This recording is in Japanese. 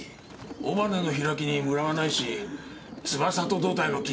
尾羽の開きにムラはないし翼と胴体の均整もとれている。